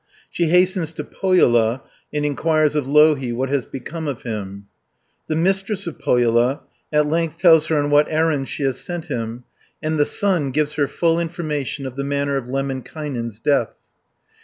She hastens to Pohjola and inquires of Louhi what has become of him (1 100). The Mistress of Pohjola at length tells her on what errand she has sent him, and the sun gives her full information of the manner of Lemminkainen's death (101 194).